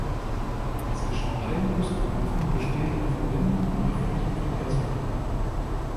Zwischen beiden Busbahnhöfen besteht eine Verbindung mit öffentlichen Verkehrsmitteln.